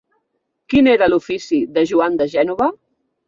Quin era l'ofici de Joan de Gènova?